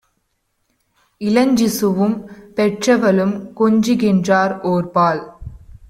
இளஞ்சிசுவும் பெற்றவளும் கொஞ்சுகின்றார் ஓர்பால்!